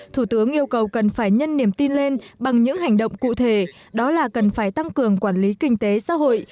thủ tướng yêu cầu cần phải nhân niềm tin lên bằng những hành động cụ thể đó là cần phải tăng cường quản lý kinh tế xã hội